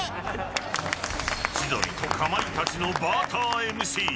千鳥とかまいたちのバーターＭＣ